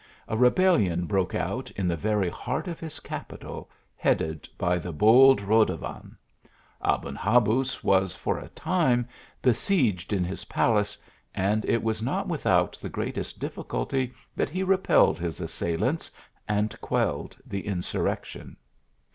A rebellion broke out in the very heart of his capital ; headed by the bold Rodovan. Aben THE ARABIAN ASTROLOGER. 123 Habuz was, for a time, besieged in his palace, and it was not without the greatest difficulty that he re pelled his assailants and quelled the insurrection.